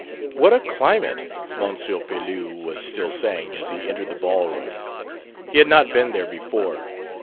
"What a climate!" M. Pelouse was still saying, as he entered the ball room. He had not been there before.